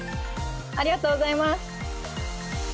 ありがとうございます。